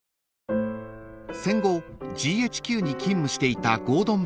［戦後ＧＨＱに勤務していた］